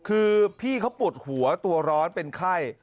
คือพี่เขาปวดหัวตัวร้อนเป็นไข้